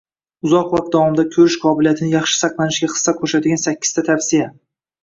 Uzoq vaqt davomida ko‘rish qobiliyatining yaxshi saqlanishiga hissa qo‘shadigansakkiztavsiya